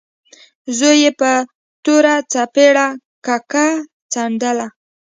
زوی يې په تروه څېره ککره څنډله.